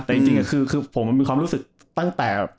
แต่จริงคือผมมีความรู้สึกตั้งแต่